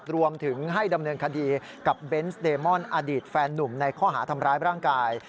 รวมถึงให้ดำเนินคดีกับเบนส์เดมอนอดีตแฟนนุ่มในข้อหาทำร้ายร่างกาย